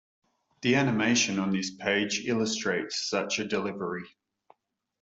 The animation on this page illustrates such a delivery.